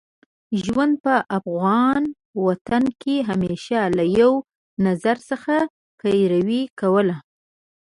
ژوند په افغان وطن کې همېشه له یوه نظم څخه پیروي کوله.